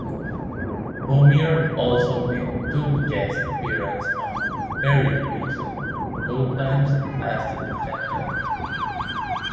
Homeier also made two guest appearances on "Perry Mason", both times as the defendant.